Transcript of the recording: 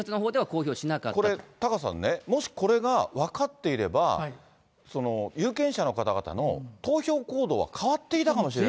これ、タカさんね、もしこれが分かっていれば、有権者の方々の投票行動は変わっていたかもしれない。